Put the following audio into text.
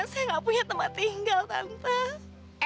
saya gak punya tempat tinggal tante